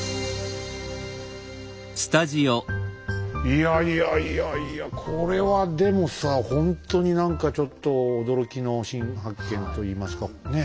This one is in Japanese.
いやいやいやいやこれはでもさほんとに何かちょっと驚きの新発見といいますかね